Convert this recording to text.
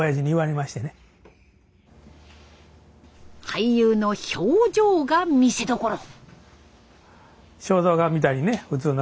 俳優の表情が見せどころ。